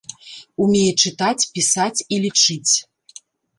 Умее чытаць, пісаць і лічыць.